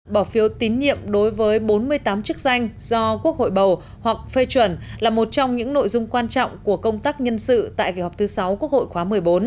bỏ phiếu tín nhiệm đối với bốn mươi tám chức danh do quốc hội bầu hoặc phê chuẩn là một trong những nội dung quan trọng của công tác nhân sự tại kỳ họp thứ sáu quốc hội khóa một mươi bốn